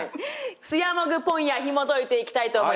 スヤモグポンヤーひもといていきたいと思います。